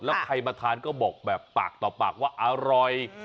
แล้วใครมาทานก็บอกแบบปากต่อปากว่าอร่อย